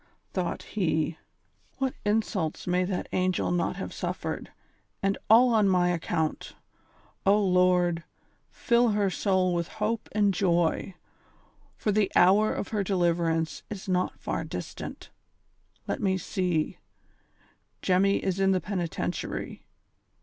Thought he :'' What insults may that angel not have suffered, and all on my account ! O Lord I fill her soul with hope and joy, for the hour of her deliverance is not far distant. Let me see ; Jemmy is in the Penitentiary.